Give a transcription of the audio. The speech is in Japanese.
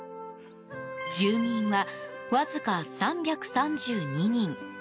住民はわずか３３２人。